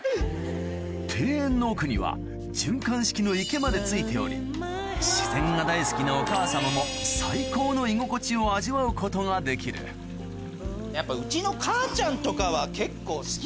庭園の奥には循環式の池まで付いており自然が大好きなお母様も最高の居心地を味わうことができるやっぱうちの母ちゃんとかは結構。